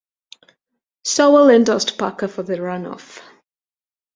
Sowell endorsed Parker for the run off.